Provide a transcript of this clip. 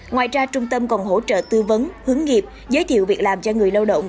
ngoài ra trung tâm còn hỗ trợ tư vấn hướng nghiệp giới thiệu việc làm cho người lao động